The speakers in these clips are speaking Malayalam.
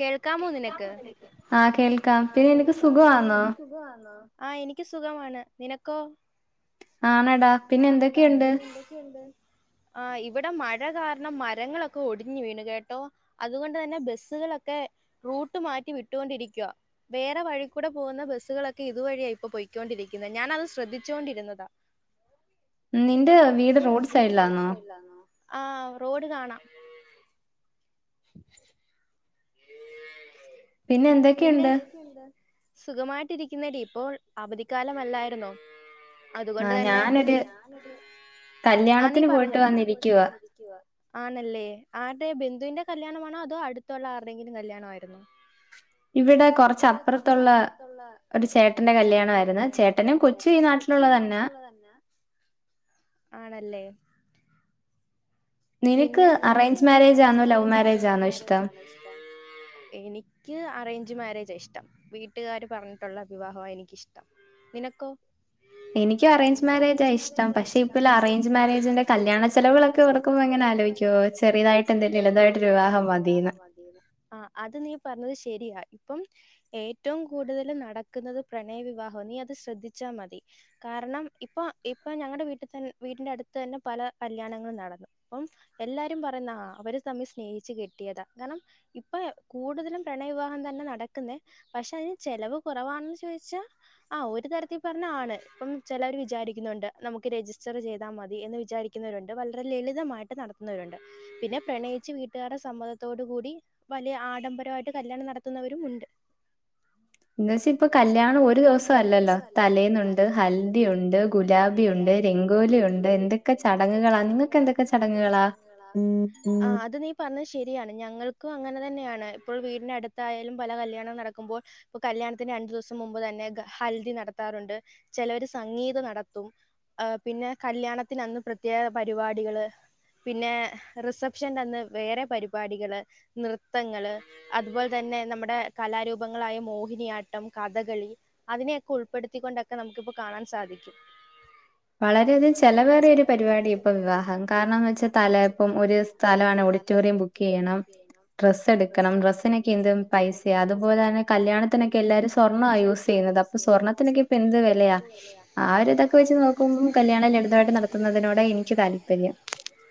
കേൾക്കാമോ നിനക്ക് ആഹ് കേൾ ആഹ് കേൾക്കാം പിന്നെ നിനക്ക് സുഖമാണോ ആ എനിക്ക് സുഖമാണ് നിനക്കോ ആണടാ പിന്നെ എന്തൊക്കെയുണ്ട് എന്തൊക്കെയുണ്ട് ആഹ് ഇവിടെ മഴ കാരണം മരങ്ങളൊക്കെ ഒടിഞ്ഞു വീണു കേട്ടോ അതുകൊണ്ടുതന്നെ ബസ്സുകളൊക്കെ റൂട്ട് മാറ്റി വിട്ടോണ്ടിരിക്കുവ വേറെ വഴി കൂടെ പോകുന്ന ബസ്സുകളൊക്കെ ഇതുവഴിയായി ഇപ്പോ പൊയ്ക്കൊണ്ടിരിക്കുന്നത് ഞാൻ അത് ശ്രദ്ധിച്ചോണ്ടിരുന്നതാ നിന്റെ വീട് റോഡ് സൈഡിലാന്നോ ലാന്നോ ആഹ് റോഡ് കാണാം പിന്നെ എന്തെക്കെണ്ട് സുഗമായിട്ടിരിക്കുന്നേടി ഇപ്പോൾ അവധിക്കാലമല്ലായിരുന്നോ അതുകൊണ്ട് തന്നെ ഞാനെടി ആഹ് നീ പറഞ്ഞോ ക്കുവാ ആണല്ലേ ആരുടെ ബന്ധുവിന്റെ കല്യാണമാണോ അതോ അടു തുള്ള ആർടെങ്കിലും കല്യാണായിരുന്നോ ഇവിടെ കുറച്ചപ്പുറത്തുള്ള ഒരു ചേട്ടന്റെ കല്യാണായിരുന്നേ ചേട്ടനും കൊച്ചും ഈ നാട്ടിൽ കൊച്ച് ഈ നാട്ടിലുള്ളതന്നെ ഉ [inaudible] ആണല്ലേ നിനക്ക് അറേഞ്ച് മാര്യേജ് ആണോ ലവ് മാരേജ് ആണോ ഇഷ്ടം എനിക്ക് അറേഞ്ച് മാര്യേജ്യാ ഇഷ്ടം വീട്ടുകാര് പറഞ്ഞിട്ടുള്ള വിവാഹവാ എനിക്കിഷ്ടം നിനക്കോ? എനിക്ക് അറേഞ്ച് മാര്യേജ് ആ ഇഷ്ടം പക്ഷെ ഇപ്പോൾ അറേഞ്ച് മാരേജിന്റെ കല്യാണ ചിലവുകളൊക്കെ ഓർക്കുമ്പോ ക്ക ഓർകുമ്പങ്ങനെ ആലോചിക്കുവോ ചെറുതായിട്ട് ഒരു വിവാഹം മതിന്ന് ആഹ് അത് നീ പറഞ്ഞത് ശരിയാ ഇപ്പം ഏറ്റവും കൂടുതൽ നടക്കുന്നത് പ്രണയ വിവാഹാ നീ അത് ശ്രദ്ധിച്ചാമതി കാരണം ഇപ്പൊ ഇപ്പൊ ഞങ്ങളുടെ വീട്ടിൽ തന്ന വീട്ടിന്റെ അടുത്ത് തന്നെ പല കല്യാണങ്ങളും നടന്നു അപ്പം എല്ലാരും പറയുന്നതാ അവര് തമ്മിൽ സ്നേഹിച്ചു കെട്ടിയതാ കാരണം ഇപ്പൊ കൂടുതലും പ്രണയ വിവാഹം തന്നെ നടക്കുന്നെ പക്ഷെ അയിന് ചെലവ് കുറവാണെന്ന് ചോദിച്ചാ ആഹ് ഒരു തരത്തിൽ പറഞ്ഞ ആണ് ഇപ്പം ചിലർ വിചാരിക്കുന്നുണ്ട് നമുക്ക് രജിസ്റ്റർ ചെയ്താമതി എന്ന് വിചാരി ക്കുന്നവരുണ്ട് വളരെ ലളിതമായിട്ട് നടത്തുന്നവരുണ്ട് പിന്നെ പ്രണയിച്ച് വീട്ടുകാരുടെ സമ്മതത്തോട് കൂടി വലിയ ആഡംബരവായിട്ട് കല്യാണം നടത്തുന്നവരും ഉണ്ട് എന്ന് വെച്ച ഇപ്പൊ കല്യാണം ഒരു ദിവസം അല്ലല്ലോ തലേന്നുണ്ട് ഹൽദി യുണ്ട് ഗുലാബിയുണ്ട് രംഗോലിയുണ്ട് എന്തൊക്കെ ചടങ്ങുകളാ നിങ്ങക്കെന്തൊക്കെ ചടങ്ങുകളാ ആഹ് അത് നീ പർഞ്ഞത് ശരിയാണ്.. ഞങ്ങൾക്കും അങ്ങനെ തന്നെയാണ് ഇപ്പോൾ വീടിനു അടു- ത്തായാലും പല കല്യാണം നടക്കുമ്പോൾ പ്പ കല്യാണത്തിന് രണ്ടു ദിവസം മുമ്പ് തന്നെ ഹൽദി നടത്താറുണ്ട് ചെലൊരു സംഗീത് നടത്തും ആഹ് പിന്നെ കല്യാണത്തിന് അന്ന് പ്രത്യേക പരിപാടികള് പിന്നെ റീസെപ്ഷന്റെന്ന് വേറെ പരിപാടികള് നൃത്തങ്ങള് അതുപോലെ തന്നെ നമ്മുടെ കലാരൂപങ്ങളായ മോഹിനിയാട്ടം കഥകളി അതിനെയൊക്കെ ഉൾപ്പെടുത്തിക്കൊണ്ടൊക്കെ നമുക്കിപ്പോ കാണാൻ സാധിക്കും വളരെയധികം ചെല വേറിയ ഒരു പരിപാടിയ ഇപ്പൊ വിവാഹം കാരണഎന്താന്നു വെച്ചാ സ്ഥല ഇപ്പം ഒരു സ്ഥലാണ് ഓഡിറ്റോറിയം ബുക്കെയ്യണം ഡ്രസ്സ് എടുക്കണം ഡ്രസ്സിനൊക്കെ എന്ത് പൈസയാ അതുപോലെ തന്നെ കല്യാണത്തിനൊക്കെ എല്ലാരും സ്വർണവാ യൂസെയ്യുന്നത് അപ്പൊ സ്വർണത്തിനൊക്കെ പ്പെന്ത് വെലയാ, ആ ഒര്തൊക്കെ വെച്ച് നോ ക്കുമ്പോ കല്യാണം ലളിതവായിട്ട് നടത്തുന്നതിനോട എനിക്ക് താല്പര്യം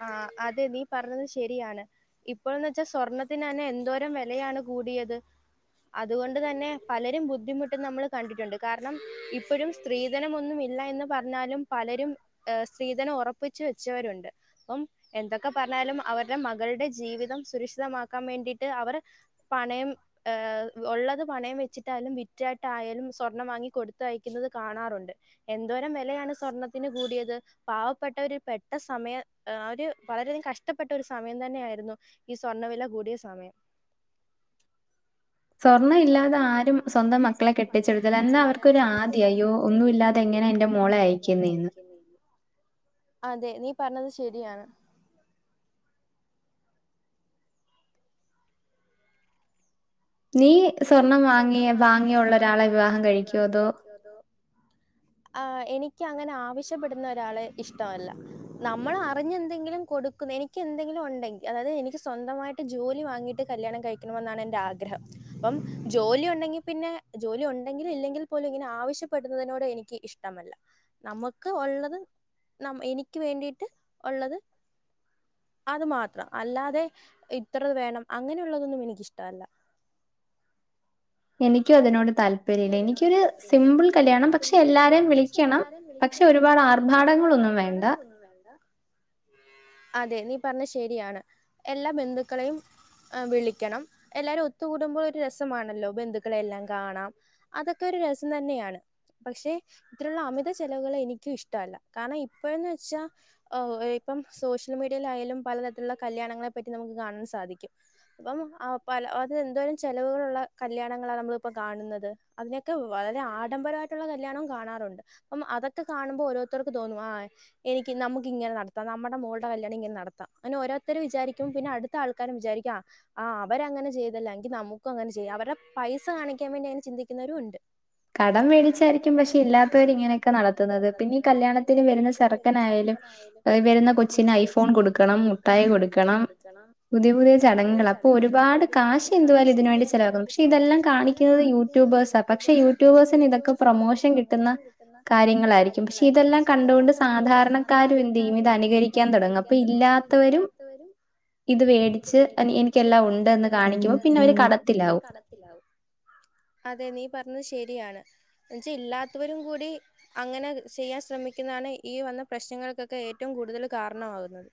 ആഹ് അതെ നീ പറഞ്ഞത് ശരിയാണ് ഇപ്പോൾന്ന് വെച്ചാ സ്വർണത്തിനെന്നെ എന്തോരം വെലയാണ് കൂടിയത് അതുകൊണ്ട് തന്നെ പലരും ബുദ്ധിമുട്ടുന്ന മ്മള്. കണ്ടിട്ടുണ്ട് കാരണം ഇപ്പഴും സ്ത്രീധനമൊന്നുമില്ല എന്ന് പർഞ്ഞാലും പലരും ഏഹ് സ്ത്രീധനം ഉറപ്പിച്ച് വച്ചവരുണ്ട് പ്പം എന്തൊക്കെ പറഞ്ഞാലും അവരുടെ മകളുടെ ജീവിതം സുരക്ഷിതമാക്കാൻ വേണ്ടിട്ട് അവർ പണയം ഏഹ് ഉള്ളത് പണയം വെച്ചിട്ടായാലും വിറ്റട്ടായാലും സ്വർണം വാങ്ങി കൊടുത്തയക്കുന്നത് കാണാറുണ്ട് എന്തോരം വെലയാണ് സ്വർണത്തിന് കൂടിയത് പാവപെട്ടൊരു പെട്ട സമയ ഒര് വളരെയധികം കഷ്ടപ്പെട്ട ഒരു സമയം തന്നെയായിരുന്നു ഈ സ്വർണ്ണവില കൂടിയ സമയം സ്വർണ്ണം ഇല്ലാതെ ആരും സ്വന്തം മക്കളെ കെട്ടിച്ചൊടിക്കില്ല എന്നാ അവർക്കൊരാദിയ അയ്യോ ഒന്നും ഇല്ലാത് തെ എങ്ങനെ എൻറെ മോളെ അയക്കുന്നെന്ന് അതെ നീ പർഞ്ഞത് ശരിയാണ് നീയ് സ്വർണം വാങ്ങിയ വാങ്ങിയൊള്ള ഒരാളെ വിവാഹം കഴിക്കോ അതോ ആഹ് എനിക്കങ്ങനാവിശ്യപ്പെടുന്ന ഒരാളെ ഇഷ്ടവല്ല നമ്മളറിഞ്ഞെന്തെങ്കിലും കൊടു ന്നെനിക്കെന്തെങ്കിലു ഉണ്ടെങ്കി അതായത് എനിക്ക് സ്വന്തമായിട്ട് ജോലി വാങ്ങിയിട്ട് കല്ല്യാണം കഴിക്കണമെന്നാണ് എന്റെ ആഗ്രഹം അപ്പം ജോലി ഉണ്ടെങ്കി പിന്നെ ജോലി ഉണ്ടെങ്കിലും ഇല്ലെങ്കിൽ പോലും ഇങ്ങനെ ആവശ്യപ്പെടുന്നതിനോട് എനിക്ക് ഇഷ്ടമല്ല നമുക്ക് ഒള്ളത് നം എനിക്ക് വേണ്ടിയിട്ട് ഒള്ളത് അത് മാത്രം അല്ലാതെ ഇത്ര വേണം അങ്ങനെയുള്ളതൊന്നും എനിക്കിഷ്ടഅല്ല എനിക്കും അതിനോട് താല്പര്യം ഇല്ല എനിക്കൊരു സിമ്പിൾ കല്ല്യാണം പക്ഷെ എല്ലാരേം വിളിക്കണം പക് ക്കണം പക്ഷെ ഒരുപാട് ആർഭാടങ്ങളൊന്നും വേണ്ട [inaudible] അതെ നീ പർഞ്ഞെ ശരിയാണ് എല്ലാ ബന്ധുക്കളെയും ഏഹ് വിളിക്കണം. എല്ലാരും ഒത്തുകൂടുമ്പോ ഒരു രസമാണല്ലോ ബന്ധു ക്കളെയെല്ലാം കാണാം. അതൊക്കെ ഒരു രസം തന്നെയാണ് പക്ഷെ ഇത്രയുള്ള അമിത ചെലവുകള് എനിക്കും ഇഷ്ടല്ല കാരണം ഇപ്പോഴെന്ന് വെച്ചാ ഏഹ് ഇപ്പം സോഷ്യൽ മീഡിയേലായാലും പലതരത്തിലുള്ള കല്ല്യാണങ്ങളെ പറ്റി നമുക്ക് കാണാൻ സാധിക്കും അപ്പം ആഹ് പല അത് എന്തോരും ചെലവുകളുള്ള കല്യാണ ങ്ങള നമ്മളിപ്പോ കാണുന്നത് അതിനേക്ക വളരെ ആഡംബരമായിട്ടുള്ള കല്ല്യാണവും കാണാറുണ്ട് അപ്പം അതൊക്കെ കാണുമ്പോ ഓരോരുത്തർക്ക് തോന്നും ആഹ് എനിക്ക് നമുക്ക് ഇങ്ങനെ നടത്താം നമ്മടെ മോൾടെ കല്ല്യാണം ഇങ്ങനെ നടത്താം അങ്ങനെ ഓരോരുത്തരും വിചാരിക്കും പിന്നെ അടു ത്താൾക്കാരും വിചാരിക്കാ ആഹ് അവരങ്ങനെ ചെയ്തല്ല എങ്കിൽ നമുക്കും അങ്ങനെ ചെയ്യാം അവരെ പൈസ കാണിക്കാൻ വേണ്ടി അതിന് ചിന്തിക്കുന്നവരും ഉണ്ട് കടം വേടിച്ചായിരിക്കും പക്ഷെ ഇല്ലാത്തവര് ഇങ്ങനെയൊക്കെ നടത്തുന്നത് പിന്നെ ഈ കല്ല്യാണത്തിന് വരുന്ന ചെറുക്കനായാലും വരുന്ന കൊച്ചിന് ഐഫോൺ കൊടുക്കണം മുട്ടായി കൊടുക്കണം പുതിയ പുതിയ ചടങ്ങുകളാ അപ്പോ ഒരുപാട് കാശ് എന്തുവായാലും ഇതിനുവേണ്ടി ചെലവാകും പക്ഷെ പ്പ ഇതെല്ലാം കാണിക്കുന്നത് യുട്യൂബേഴ്സാ പക്ഷെ യു യുട്യൂബേഴ്സിന് ഇതൊക്കെ പ്രൊമോഷൻ കിട്ടുന്ന കാര്യങ്ങളായിരിക്കും പക്ഷെ ഇതെല്ലാം കണ്ടുകൊണ്ട് സാധാരണ സാധാരണക്കാരും കണ്ട് ഇതിനെ അനുകരിക്കാൻ തുടങ്ങും അപ്പൊ ഇല്ലാത്തവരും ഇത് വേടിച്ച് എനിക്ക് എല്ലാം കാണിക്കും പിന്നെ അവര് കടത്തിലാവും അതെ നീ പറണത് ശെരിയാണ് എന്നച്ച് ഇല്ലാത്തവരും കൂടി അങ്ങനെ ചെയ്യാൻ ശ്രമിക്കുന്നതാണ് ഈ വന്ന പ്രശ്നങ്ങൾക്കൊക്കെ ഏറ്റവും കൂടുതൽ കാരണമാകുന്നത്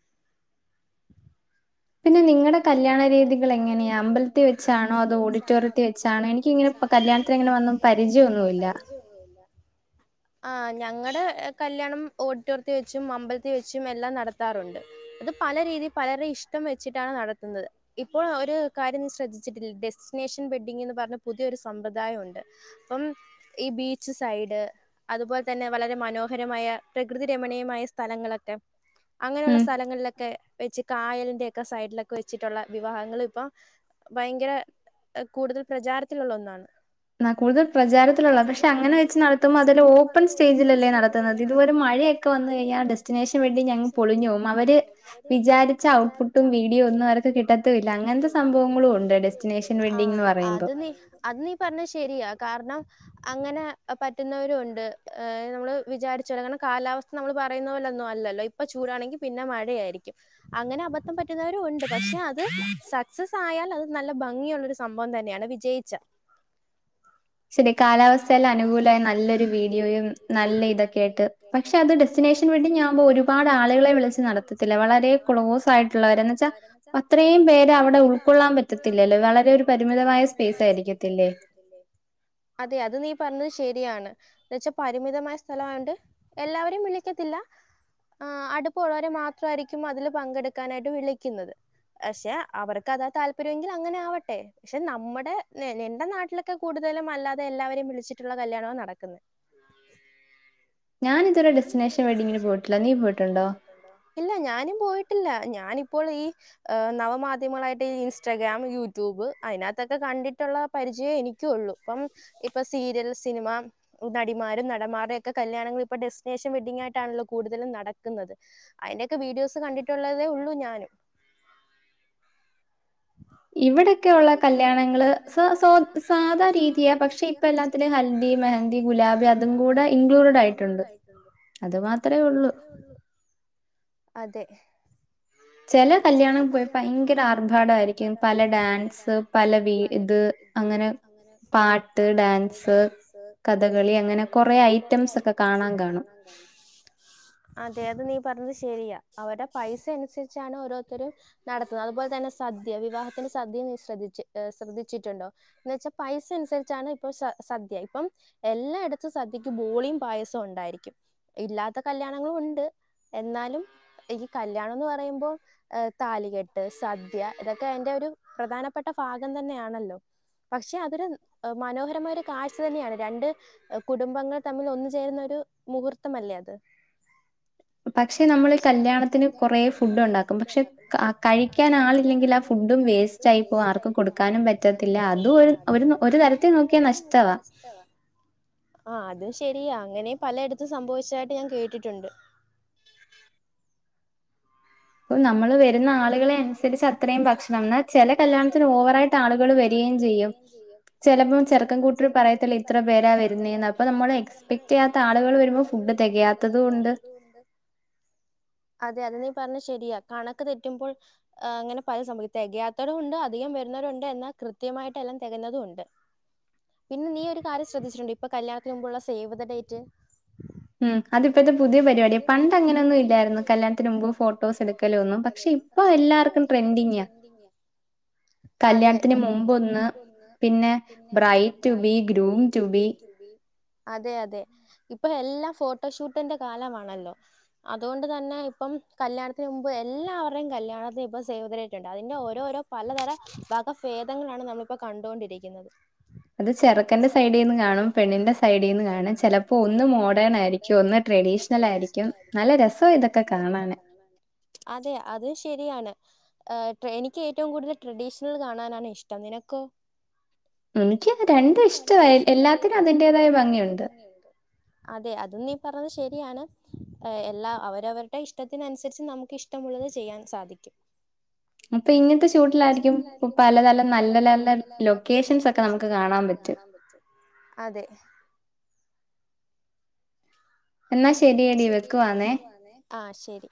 പിന്നെ നിങ്ങടെ കല്ല്യാണ രീതികളെങ്ങനെയാ അമ്പലത്തി വെച്ചാണോ അതോ ഓഡിറ്റോറിയത്തി വെച്ചാണോ എനി എനിക്കിങ്ങനെ ഇപ്പ കല്ല്യാണത്തിന് ഇങ്ങനെ വന്നും പരിചയൊന്നുല്ലാ ആഹ് ഞങ്ങടെ കല്ല്യാണം ഓഡിറ്റോറിയത്തി വെച്ചും അമ്പലത്തി വെച്ചും എല്ലാം നടത്താറുണ്ട് അത് പല രീതി പലരെ ഇഷ്ടം വെച്ചിട്ടാണ് നടത്തുന്നത് ഇപ്പോൾ ഒരു കാര്യം നീ ശ്രദ്ധിച്ചിട്ടിൽ ഡെസ്റ്റിനേഷൻ വെഡ്ഡിങ്ന്ന് പറഞ്ഞ പുതിയൊരു സമ്പ്രദായം ഉണ്ട് അപ്പം ഈ ബീച്ച് സൈഡ് അതുപോലെ തന്നെ വളരെ മനോഹരമായ പ്രകൃതി രമണീയമായ സ്ഥലങ്ങളൊക്കെ അങ്ങനെയുള്ള സ്ഥലങ്ങളിലൊക്കെ വെച്ച് കായലിന്റെ ഒക്കെ സൈഡിലൊക്കെ വെച്ചിട്ടുള്ള വിവാഹങ്ങളിപ്പോ ഭയങ്കര കൂടുതൽ പ്രചാരത്തിലുള്ള ഒന്നാണ് ആഹ് കൂടുതൽ പ്രചാരത്തിലുള്ള പക്ഷെ അങ്ങനെ വെച്ച് നടത്തുമ്പോ അതൊരു ഓപ്പൺ സ്റ്റേജിലല്ലേ നടത്തുന്നത് ഇതുപോലെ മഴയെ ക്കെ വന്ന് കഴിഞ്ഞ ഡെസ്റ്റിനേഷന് വേണ്ടി ഞങ്ങ പൊളിഞ്ഞ് പോവും അവര് വിചാരിച്ച ഔട്ട്‌പുട്ട് വീഡിയോ ഒന്നും അവർക്ക് കിട്ടത്തൂല്ലാ അങ്ങനത്തെ സംഭവങ്ങളും ഉണ്ട് ഡെസ്റ്റിനേഷൻ വെഡിങ് എന്ന് പറയുമ്പോ അത് നീ പറഞ്ഞത് ശരിയാ കാരണം അങ്ങനെ പറ്റുന്നവരും ഉണ്ട് ഏഹ് നമ്മള് വിചാരിച്ചോണം കാലാ നമ്മൾ പറയുന്ന പോലൊന്നും അല്ലല്ലോ ഇപ്പ ചൂടാണെങ്കിൽ പിന്നെ മഴയായിരിക്കും അങ്ങനെ അബദ്ധം പറ്റ പറ്റുന്നവരും ഉണ്ട് പക്ഷെ അത് സക്സസ് ആയാൽ അത് നല്ല ഭംഗിയുള്ളരു സംഭവം തന്നെയാണ് വിജയിച്ച ശരിയാ കാലാവസ്ഥയെല്ല അനുകൂലമായ നല്ലൊരു വീഡിയോയും നല്ല ഇതൊക്കെയായിട്ട് പക്ഷെ അത് ഡെസ്റ്റിനേഷൻ വെഡിങ്ങാകുമ്പോൾ ഒരുപാട് ആളുകളെ വിളിച്ച് നടത്തില്ല വളരെ ക്ലോസ് ആയിട്ടുള്ള വെച്ചാ അത്രയും പേര് അവിടെ ഉൾക്കൊള്ളാൻ പറ്റത്തില്ലല്ലേ വളരെ ഒരു പരിമിതമായ സ്പേസ് ആയിരിക്കത്തില്ലേ? [inaudible] അതെ അത് നീ പറഞ്ഞത് ശരിയാണ് എന്ന വച്ചാ പരിമിതമായ സ്ഥല ആണ്ട് എല്ലാവരെയും വിളിക്കത്തില്ല ആ അടുപ്പുള്ളവരെ മാത്രമായിരിക്കും അതില് പങ്കെടുക്കാനായിട്ട് വിളിക്കുന്നത് പക്ഷെ അവർക്ക് അതാ താല്പര്യമെങ്കിൽ അങ്ങനെ ആവട്ടെ പക്ഷെ നമ്മുടെ എന്റെ നാട്ടിലൊക്കെ കൂടുതലും അല്ലാതെ എല്ലാവരെയും വിളിച്ചിട്ടുള്ള കല്യാണമാണ് നടക്കുന്നത് ഞാനിതൊരു ഡെസ്റ്റിനേഷൻ വെഡിങ്ങിന് പോയിട്ടില്ല നീ പോയിട്ടുണ്ടോ ഇല്ല ഞാനും പോയിട്ടില്ല ഞാനിപ്പോൾ ഈ ഹ നവമാധ്യമങ്ങളായിട്ട് ഈ ഇൻസ്റ്റാഗ്രാം യൂട്യൂബ് അതിനകത്തൊക്കെ കണ്ടിട്ടുള്ള പരിചയം എനിക്ക് ള്ളൂ ഇപ്പം ഇപ്പൊ സീരിയൽ സിനിമ നടിമാരും നടന്മാരും ഒക്കെ കല്യാണങ്ങൾ ഇപ്പൊ ഡെസ്റ്റിനേഷൻ വെഡിംഗ ആയിട്ടാണല്ലോ കൂടുതലും നടക്കുന്നത് അതിന്റെയൊക്കെ വീഡിയോസ് കണ്ടിട്ടുള്ളതേ ഉള്ളൂ ഞാനും ഇവിടെക്കെയ ഉള്ള കല്യാണങ്ങള് സ സോ സാധാ രീതിയ പക്ഷെ പക്ഷെ ഇപ്പ എല്ലാത്തിനും ഹൽദി മെഹന് ഗുലാബി അതും കൂടെ ഇൻക്ലൂഡഡ് ആയിട്ടുണ്ട് അത് മാത്രേ ഉള്ളു അതെ ചെല കല്ല്യാണം പാെയി ഭയങ്കര ആർഭാടായ് യിരിക്കും പല ഡാൻസ് പല വീട് ത് അങ്ങനെ പാട്ട് ഡാൻസ് കഥകളി അങ്ങനെ കൊറെ ഐറ്റംസ് ഒക്കെ കാണാൻ കാണും അതെ അത് നീ പറഞ്ഞത് ശരിയാ അവരെ പൈസ അനുസരിച്ചാണ് ഓരോത്തരും നടത്തുന്നെ അതുപോലെത്തന്നെ സദ്യ വിവാഹത്തിന്റെ സദ്യ നീ ശ്രദ്ധിച്ചി ശ്രദ്ധിച്ചിട്ടുണ്ടോ എന്ന് വെച്ചാ പൈസ അനുസരിച്ചാണ് ഇപ്പൊ സ സദ്യ ഇപ്പം എല്ലാം എടത്തും സദ്യക്ക് ബോളിം പായസോം ഇണ്ടായിരിക്കും ഇല്ലാത്ത കല്യാണങ്ങളും ഉണ്ട് എന്നാലും ഈ കല്ല്യാണംന്ന് പറയുമ്പോ താലികെട്ട് സദ് ദ്യ ഇതൊക്കെ അയ്ന്റെ ഒരു പ്രധാനപ്പെട്ട ഭാഗം തന്നെയാണല്ലോ പക്ഷെ അതൊര് മനോഹരമായ ഒരു കാഴ്ച തന്നെയാണ് രണ്ട് കുടുംബങ്ങൾ തമ്മിൽ ഒന്നു ചേരുന്ന ഒരു മുഹൂർത്തമല്ലേ അത് പക്ഷെ നമ്മള് കല്യാണത്തിന് കൊറേ ഫുഡ് ഉണ്ടാക്കും പക്ഷെ കഴിക്കാൻ നാളില്ലെങ്കിൽ ആ ഫുഡും വേസ്റ്റ് ആയിപ്പോ ആർക്കും കൊടുക്കാനും പറ്റത്തില്ല അതും ഒര് ഒര് നോതരത്തിൽ നോക്കിയാൽ നഷ് നോക്ക്യാ നഷ്ടവാ [inaudible] ആഹ് അത് ശരിയാ അങ്ങനെം പലയെടത്ത് സംഭവിച്ചായിട്ട് ഞാൻ കേട്ടിട്ടുണ്ട് അപ്പ നമ്മള് വര്ന്ന ആളുകള അനുസരിച്ച് അത്രയും ഭക്ഷണം എന്നാ ചെല കല്യാണത്തിന് ഓവറ ആയിട്ട് ആളുകള് വര്യേം ചെയ്യും ചെലപ്പം ചെറുക്കന്റെ കൂട്ടർ പറയത്തില്ലേ ഇത്ര പേരാ വരുന്നേന്ന് അപ്പ നമ്മള് കൃത്തായിട്ടാആളുകൾ വരുമ്പോ തെകയാത്തതും ഉണ്ട് [inaudible] അതെ അത് നീ പറഞ്ഞ ശരിയാ കണക്ക് തെറ്റുമ്പോൾ അങ്ങെനെ പല സംഭവിതെ തെകയാത്തുംണ്ട് അധികം വര്ണോരുണ്ട് എന്നാ കൃത്യമായിട്ട് എല്ലാം തെകഞ്ഞതും ഉണ്ട് [inaudible] പിന്നെ നീ ഒരു കാര്യം ശ്രദ്ധിച്ചിട്ടുണ്ടോ ഇപ്പൊ കല്യാത്തിന് മുമ്പുള്ള സേവ് ദ ഡേറ്റ് ഉം അത് ഇപ്പഴത്തെ പുതിയ പരിപാടിയാ പണ്ട് അങ്ങനൊന്നും ഇല്ലായിരുന്നു കല്യാത്തിന് മുമ്പ് ഫോട്ടോസ് എടുക്ക ട്ടോസഎട്ക്കലൊന്നും പക്ഷെ ഇപ്പൊ എല്ലാട്ത്തും ട്രെൻഡിംങാ കല്യാണത്തിന് മുമ്പൊന്ന് പിന്നെ bride to be groom to be അതെ അതെ ഇപ്പൊ എല്ലാം ഫോട്ടോഷൂട്ടിന്റെ കാലമാണല്ലോ അതോണ്ട് തന്നെ ഇപ്പം കല്യാണത്തിന് മു മ്പ് എല്ലാവ് രെയും കല്യാണത്തിന് ഇപ്പോ സേവ് ദ ടേറ്റ്ണ്ട് അതിന്റെ ഓരോരോ പലതര വകഭേദങ്ങളാണ് നമ്മ ഇപ് പ്പ കണ്ടോണ്ടിരിക്ക്ന്നത് അത് ചെറുക്കന്റെ സൈഡീന്ന് കാണും പെണ്ണിന്റെ സൈഡീന്ന് കാണും ചെലപ്പോ ഒന്ന് മോഡേൺ ആയിരിക് ഡേണായിരിക്കും ഒന്ന് ട്രഡീഷണൽ ആയിരിക്കും നല്ല രസം ഇതൊക്കെ കാണാന് അതെ അത് ശരിയാണ് ഏ് ട്ര എനിക്ക് ഏറ്റവും കൂടുതൽ ട്രഡീഷണൽ കാണാനാണ് ഇഷ്ടം നിനക്കോ എനിക്കിത് രണ്ടും ഇഷ്ടവായി എല്ലാത്തിനും അതിന്റേതായ ഭംഗിയുണ്ട് ഇണ്ട് അതെ അത് നീ പറഞ്ഞത് ശരിയാണ് എല്ലാം അവരവരുടെ ഇഷ്ടത്തിനൻസരിച്ച് നമുക്ക് ഇഷ്ട ട്ടമുള്ളത് ചെയ്യാൻ സാധിക്കും അപ്പൊ ഇങ്ങൻത്തെ ഷൂട്ടിലായിരിക്കും പലതരം നല്ല നല്ല ലൊക്കേഷൻസ് ഒക്കെ നമുക്ക് കാണാൻ അതെ എന്നാ ശരിയടി വെക്കുവാണേ ആഹ് ശരി